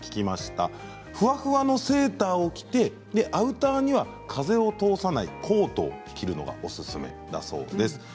ふわふわのセーターを着てアウターには風を通さないコートを着るのがおすすめだそうです。